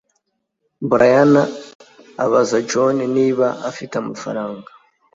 bryna abaza john niba afite amafaranga